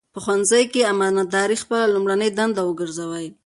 په ښوونځي کې امانتداري خپله لومړنۍ دنده وګرځوئ.